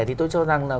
thì tôi cho rằng là